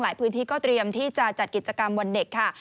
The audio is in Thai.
พื้นที่ก็เตรียมที่จะจัดกิจกรรมวันเด็กค่ะ